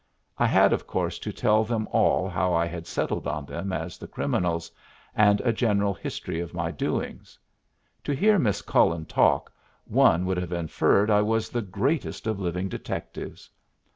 I had of course to tell them all how I had settled on them as the criminals, and a general history of my doings. To hear Miss Cullen talk, one would have inferred I was the greatest of living detectives.